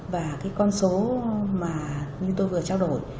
và cái con số mà như tôi vừa trao đổi